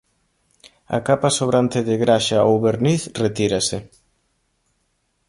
A capa sobrante de graxa ou verniz retírase.